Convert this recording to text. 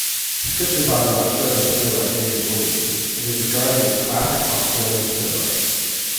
Scripted by the Australian playwright David Williamson, it is regarded as classic Australian cinema.